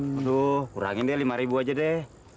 aduh kurangin deh rp lima aja deh